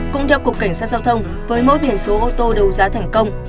cũng theo cục cảnh sát giao thông với mẫu biển số ô tô đấu giá thành công